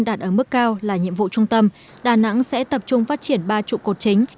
đạt ở mức cao là nhiệm vụ trung tâm đà nẵng sẽ tập trung phát triển ba trụ cột chính